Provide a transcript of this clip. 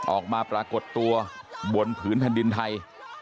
ปรากฏตัวบนผืนแผ่นดินไทย